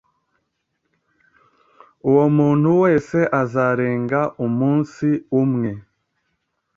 uwo umuntu wese uzarenga umunsi umwe